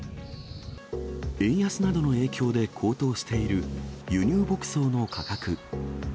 円安などの影響で高騰している輸入牧草の価格。